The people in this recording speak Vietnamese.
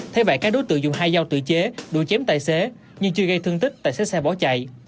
thế vậy các đối tượng dùng hai dao tự chế đuổi chém tài xế nhưng chưa gây thương tích tài xế xe bỏ chạy